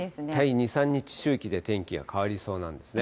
２、３日周期で天気が変わりそうなんですね。